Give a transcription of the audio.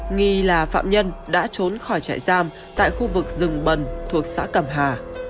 nghi là phạm nhân đã trốn khỏi trại giam tại khu vực rừng bần thuộc xã cẩm hà